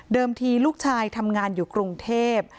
ทีลูกชายทำงานอยู่กรุงเทพ